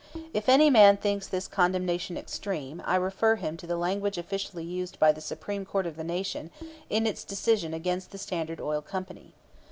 If any man thinks this condemnation extreme, I refer him to the language officially used by the Supreme Court of the nation in its decision against the Standard Oil Company.